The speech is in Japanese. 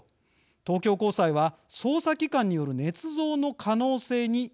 東京高裁は捜査機関によるねつ造の可能性に言及しています。